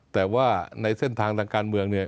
แต่ว่าในเส้นทางต่างการเมือง